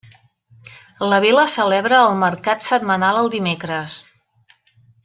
La vila celebra el mercat setmanal el dimecres.